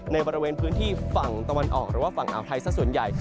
ในบริเวณพื้นที่ฝั่งตะวันออกหรือว่าฝั่งอ่าวไทยสักส่วนใหญ่